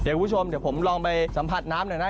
เดี๋ยวคุณผู้ชมเดี๋ยวผมลองไปสัมผัสน้ำหน่อยนะ